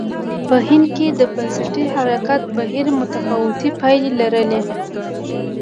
په هند کې د بنسټي حرکت بهیر متفاوتې پایلې لرلې.